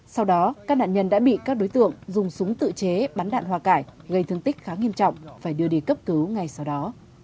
sau đó các nạn nhân đã bị các đối tượng dùng súng tự chế bắn đạn hoa cải gây thương tích khá nghiêm trọng phải đưa đi cấp cứu ngay sau đó